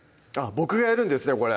僕がやるんですね